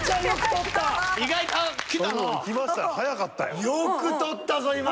よかった。